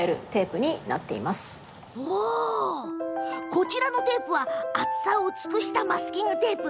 こちらのテープは厚さを薄くしたマスキングテープ。